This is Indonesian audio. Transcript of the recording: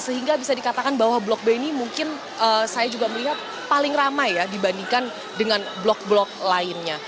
sehingga bisa dikatakan bahwa blok b ini mungkin saya juga melihat paling ramai ya dibandingkan dengan blok blok lainnya